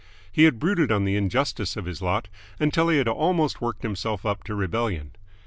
He had brooded on the injustice of his lot until he had almost worked himself up to rebellion.